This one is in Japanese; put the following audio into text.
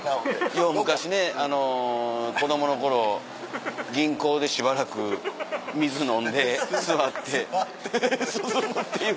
よう昔ねあの子供の頃銀行でしばらく水飲んで座って涼むっていう。